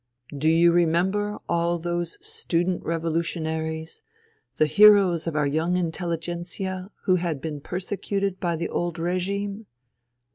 " Do you remember all those student revolution aries, the heroes of our young intelligentsia, who had been persecuted by the old regime